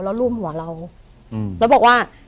แล้วรูปหัวเราแล้วบอกว่า